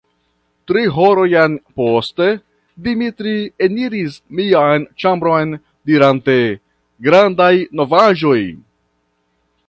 Tri horojn poste, Dimitri eniris mian ĉambron, dirante: "Grandaj novaĵoj!"